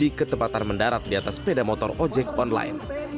mereka juga menerima pembinaan yang mendarat di atas peda motor ojek online